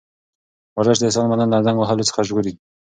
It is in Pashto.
ورزش د انسان بدن له زنګ وهلو څخه ژغوري.